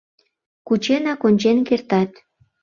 — Кученак ончен кертат.